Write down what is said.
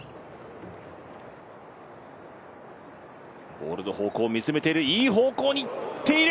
ボールの方向を見つめている、いい方向にいっている。